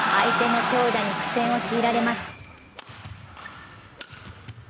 相手の強打に苦戦を強いられます。